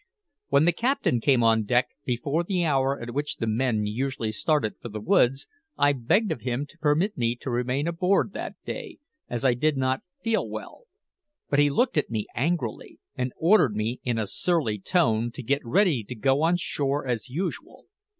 When the captain came on deck, before the hour at which the men usually started for the woods, I begged of him to permit me to remain aboard that day, as I did not feel well; but he looked at me angrily, and ordered me, in a surly tone, to get ready to go on shore as usual.